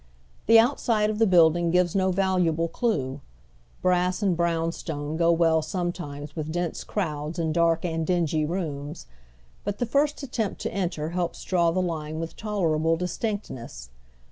The outside of the building gives no valuable clew. Brass and brown stone go well sometimes with dense crowds and dark and dingy rooms ; but the first attempt to enter helps draw the line with tolerable distinctness.